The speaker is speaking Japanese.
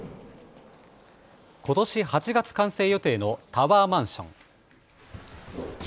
ことし８月完成予定のタワーマンション。